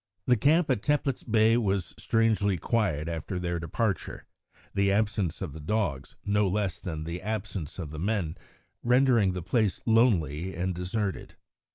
The camp at Teplitz Bay was strangely quiet after their departure, the absence of the dogs, no less than the absence of the men, rendering the place lonely and deserted.